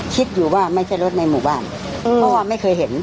คิดอยู่ว่าไม่ใช่รถในหมู่บ้านเพราะว่าไม่เคยเห็น